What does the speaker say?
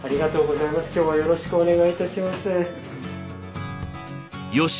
今日はよろしくお願いいたします。